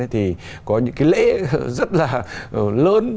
thì có những cái lễ rất là lớn